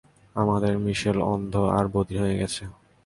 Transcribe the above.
আমাদের মিশেল অন্ধ আর বধির হয়ে গেছে।